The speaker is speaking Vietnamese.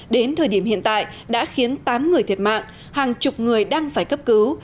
đến thời điểm hiện tại đã khiến tám người thiệt mạng hàng chục người đang phải cấp cứu